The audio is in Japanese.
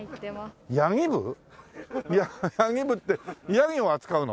ヤギ部ってヤギを扱うの？